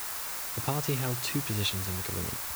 The party held two positions in the government.